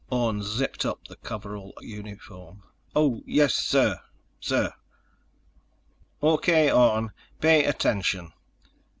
Orne zipped up the coverall uniform. "Oh, yes, sir ... sir." "O.K., Orne, pay attention."